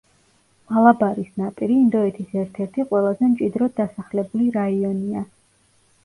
მალაბარის ნაპირი ინდოეთის ერთ-ერთი ყველაზე მჭიდროდ დასახლებული რაიონია.